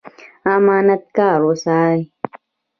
امانت کاره اوسئ